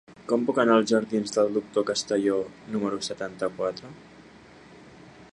Com puc anar als jardins del Doctor Castelló número setanta-quatre?